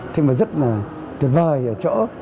thế mà rất là tuyệt vời ở chỗ